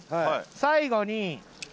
最後に。